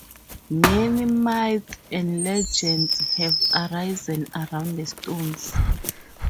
Many myths and legends have arisen around the stones.